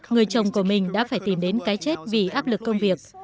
người chồng của mình đã phải tìm đến cái chết vì áp lực công việc